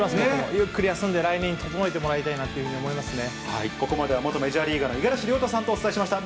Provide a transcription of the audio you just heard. ゆっくり休んで、来年に整えてもらいたいなと思いますね。